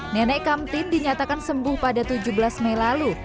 nenek kamtin dinyatakan sembuh pada tujuh belas mei lalu